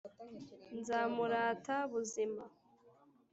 Nzamurata buzima!